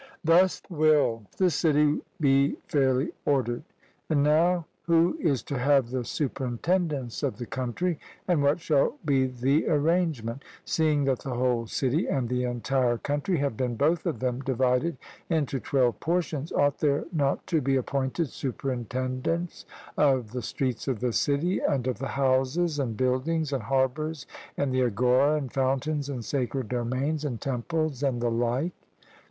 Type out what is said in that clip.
Thus will the city be fairly ordered. And now, who is to have the superintendence of the country, and what shall be the arrangement? Seeing that the whole city and the entire country have been both of them divided into twelve portions, ought there not to be appointed superintendents of the streets of the city, and of the houses, and buildings, and harbours, and the agora, and fountains, and sacred domains, and temples, and the like?